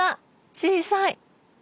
小さい！